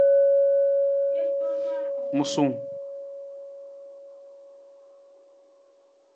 Musung.